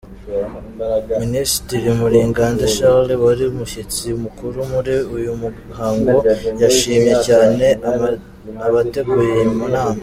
Minisitiri Murigande Charles wari umushyitsi mukuru muri uyu muhango, yashimye cyane abateguye iyi nama.